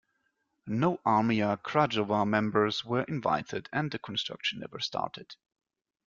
No Armia Krajowa members were invited and the construction never started.